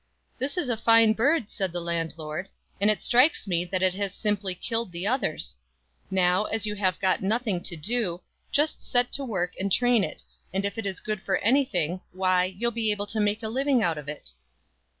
"This is a fine bird," said the landlord, "and it strikes me that it has simply killed the others. Now, as you have got nothing to do, just set to work and train it ; and if it is good for anything, why you'll be able to make a living out of it."